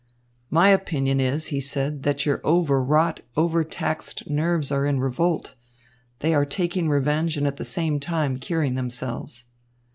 "My opinion is," he said, "that your over wrought, over taxed nerves are in revolt. They are taking revenge and at the same time curing themselves."